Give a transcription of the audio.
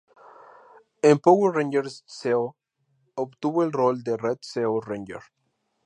En "Power Rangers Zeo", obtuvo el rol de Red Zeo Ranger.